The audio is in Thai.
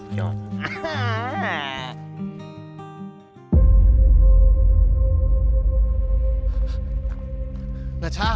น้ำ